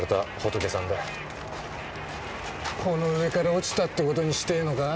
この上から落ちたって事にしてえのか？